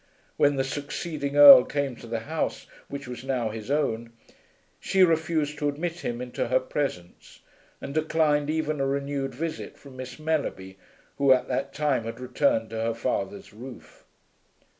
When the succeeding Earl came to the house which was now his own, she refused to admit him into her presence, and declined even a renewed visit from Miss Mellerby who at that time had returned to her father's roof.